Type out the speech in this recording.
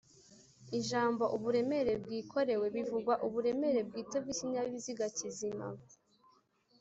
ijambo’’uburemere bwikorewe’’bivuga uburemere bwite bw’ikinyabiziga kizima